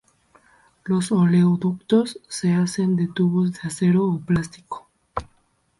Los oleoductos se hacen de tubos de acero o plástico.